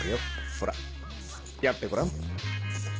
ほらやってごらん。